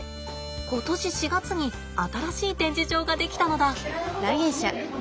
今年４月に新しい展示場が出来たのだ！